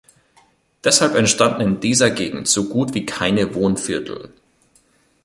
Deshalb entstanden in dieser Gegend so gut wie keine Wohnviertel.